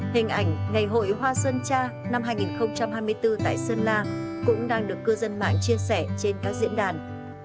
hình ảnh ngày hội hoa sơn tra năm hai nghìn hai mươi bốn tại sơn la cũng đang được cư dân mạng chia sẻ trên các diễn đàn